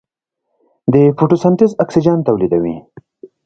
د فوټوسنتز اکسیجن تولیدوي.